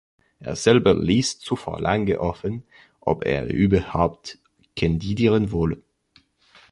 Er selber liess zuvor lange offen, ob er überhaupt kandidieren wolle.